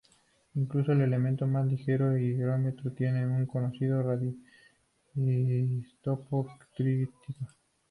Incluso el elemento más ligero, hidrógeno, tiene un conocido radioisótopo, tritio.